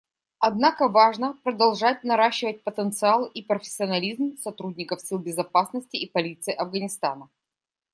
Однако важно продолжать наращивать потенциал и профессионализм сотрудников сил безопасности и полиции Афганистана.